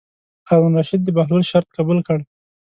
هارون الرشید د بهلول شرط قبول کړ.